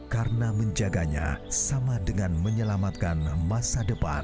karena menjaganya sama dengan menyelamatkan masa depan